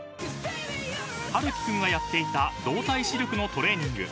［陽樹君がやっていた動体視力のトレーニング］